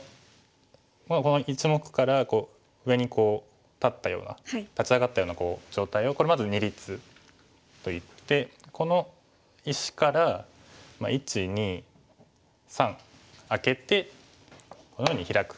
この１目から上に立ったような立ち上がったような状態をこれまず「二立」といってこの石から１２３空けてこのようにヒラく。